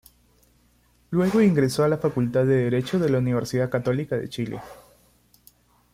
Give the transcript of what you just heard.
Luego ingresó a la Facultad de Derecho de la Universidad Católica de Chile.